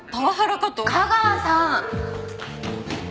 架川さん！